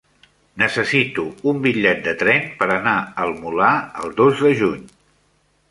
Necessito un bitllet de tren per anar al Molar el dos de juny.